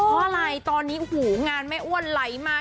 เพราะอะไรตอนนี้โอ้โหงานแม่อ้วนไหลมา